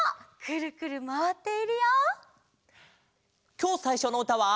きょうさいしょのうたは。